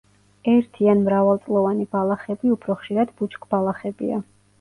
ერთი ან მრავალწლოვანი ბალახები, უფრო ხშირად ბუჩქბალახებია.